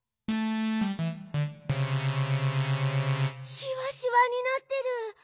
シワシワになってる！